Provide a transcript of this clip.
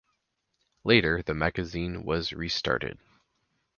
Later the magazine was restarted.